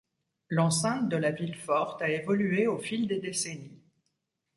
L’enceinte de la ville forte a évolué au fil des décennies.